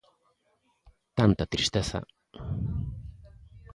Tanta tristeza.